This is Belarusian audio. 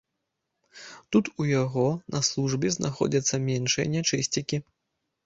Тут у яго на службе знаходзяцца меншыя нячысцікі.